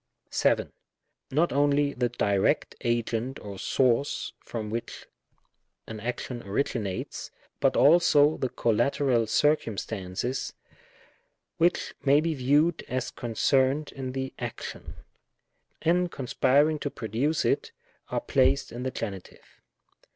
7. Not only the direct agent or source from which an action originates, but also the collateral circum stances, which may be viewed as concerned in the ac tion, and conspiring to produce it, are placed in the Genitive.